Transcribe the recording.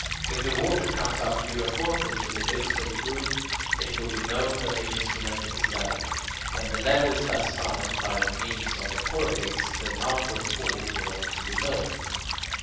If the water comes up uniformly to the rims of the groove, it will be known that the instrument is level. When the level is thus found by means of the chorobates, the amount of fall will also be known.